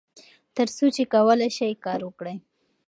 تر څو چې کولای شئ کار وکړئ.